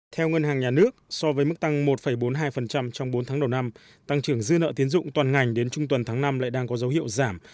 theo ngân hàng nhà nước so với mức tăng một bốn mươi hai trong bốn tháng đầu năm tăng trưởng dư nợ tiến dụng toàn ngành đến trung tuần tháng năm lại đang có dấu hiệu giảm